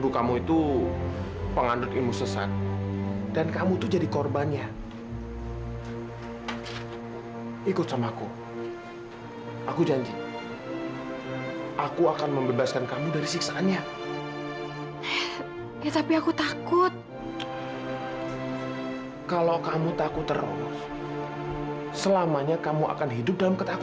sampai jumpa di video selanjutnya